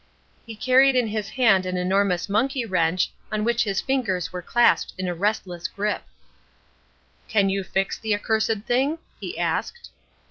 He carried in his hand an enormous monkey wrench, on which his fingers were clasped in a restless grip. "'Can you fix the accursed thing?' he asked.